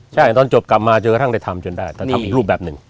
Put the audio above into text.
ใช่ตอนจบกลับมาจนกระทั่งได้ทำจนได้แต่ทำอีกรูปแบบหนึ่ง